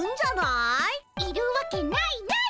いるわけないない。